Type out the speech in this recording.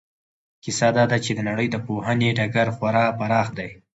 کیسه دا ده چې د نړۍ د پوهنې ډګر خورا پراخ دی.